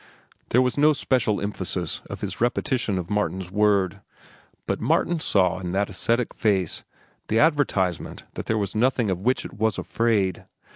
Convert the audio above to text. There was no special emphasis of his repetition of Martin's word. But Martin saw in that ascetic face the advertisement that there was nothing of which it was afraid.